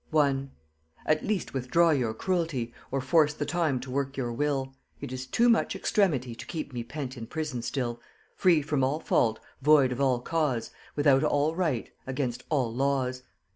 1. "At least withdraw your cruelty, Or force the time to work your will; It is too much extremity To keep me pent in prison still, Free from all fault, void of all cause, Without all right, against all laws.